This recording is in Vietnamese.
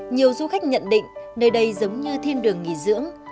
nhiều du khách nhận định nơi đây giống như thiên đường nghỉ dưỡng